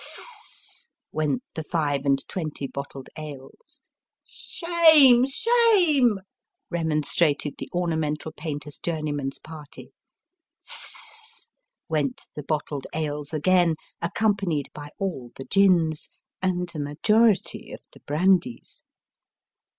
"S s s s s s s" went the five and twenty bottled ales. " Shame, shame !" remon strated the ornamental painter's journeyman's party "S s s s" went the bottled ales again, accompanied by all the gins, and a majority of the brandies.